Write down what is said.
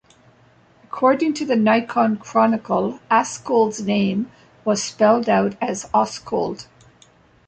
According to the Nikon Chronicle Askold's name was spelled out as Oskold.